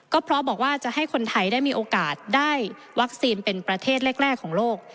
ก็เพราะบอกว่าจะให้คนไทยได้มีโอกาสได้วัคซีนเป็นประเทศแรกของโลก